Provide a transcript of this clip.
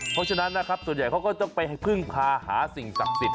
เพราะฉะนั้นนะครับส่วนใหญ่เขาก็ต้องไปพึ่งพาหาสิ่งศักดิ์สิทธิ